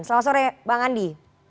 selamat sore bang andi